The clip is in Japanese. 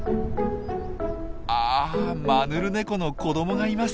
あマヌルネコの子どもがいます。